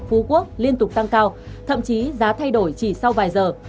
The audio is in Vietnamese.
phú quốc liên tục tăng cao thậm chí giá thay đổi chỉ sau vài giờ